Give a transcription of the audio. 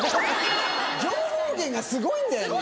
情報源がすごいんだよね。